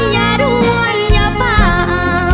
เก็บเอาไว้ก่อนคำว่าลาก่อนอยากให้เจ้ากันฮักกันสำใดอยากให้เจ้ากัน